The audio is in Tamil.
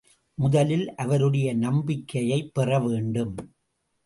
முதலில் அவருடைய நம்பிக்கையைப் பெறவேண்டும்.